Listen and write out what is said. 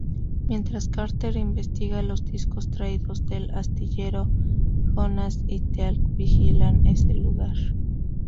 Mientras Carter investiga los discos traídos del astillero, Jonas y Teal'c vigilan ese lugar.